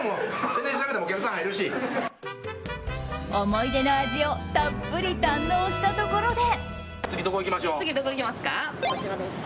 思い出の味をたっぷり堪能したところで。